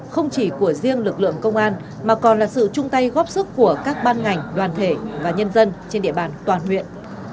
không chỉ của riêng lực lượng công an mà còn là sự chung tay góp sức của các ban ngành đoàn thể và nhân dân trên địa bàn toàn huyện